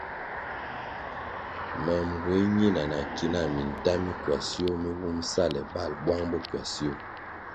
Me mbue nina na ki na minta mi kwasio mi wumʼ sale balʼ buang bo kwasio.